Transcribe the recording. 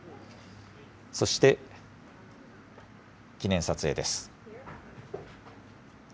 そして記念撮影です。